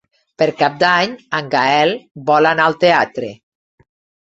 Per Cap d'Any en Gaël vol anar al teatre.